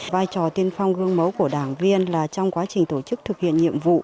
vai trò tiên phong gương mẫu của đảng viên là trong quá trình tổ chức thực hiện nhiệm vụ